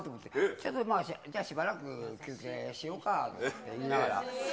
ちょっと、しばらく休憩しようかって言いながら。